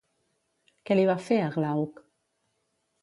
Què li va fer a Glauc?